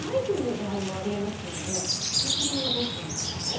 そうした場合はどうするんですか？